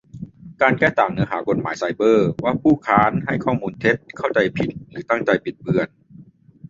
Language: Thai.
การแก้ต่างเนื้อหากฎหมายไซเบอร์ว่า ผู้ค้านให้ข้อมูลเท็จ เข้าใจผิด หรือตั้งใจบิดเบือน